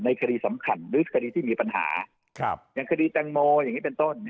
คดีสำคัญหรือคดีที่มีปัญหาอย่างคดีแตงโมอย่างนี้เป็นต้น